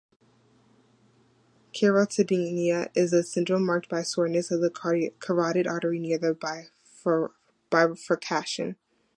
Carotidynia is a syndrome marked by soreness of the carotid artery near the bifurcation.